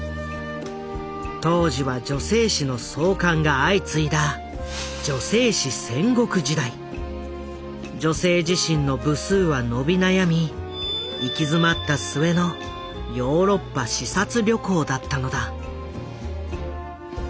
当時は女性誌の創刊が相次いだ「女性自身」の部数は伸び悩み行き詰まった末のヨーロッパ視察旅行だったのだ。